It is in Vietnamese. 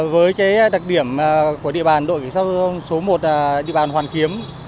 với đặc điểm của địa bàn đội kỹ sát số một là địa bàn hoàn kiếm